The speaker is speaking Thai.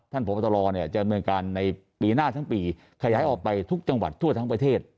พบตรจะดำเนินการในปีหน้าทั้งปีขยายออกไปทุกจังหวัดทั่วทั้งประเทศ